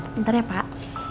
bentar ya pak